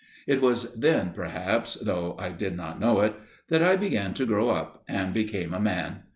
It was then, perhaps, though I did not know it, that I began to grow up, and became a man.